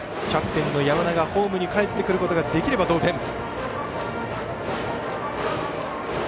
キャプテンの山田がホームにかえってくることができれば同点。